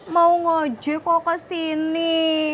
mau ngejek kok kesini